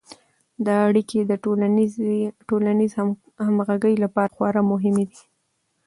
دا اړیکې د ټولنیز همغږي لپاره خورا مهمې دي.